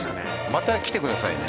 また来てくださいね。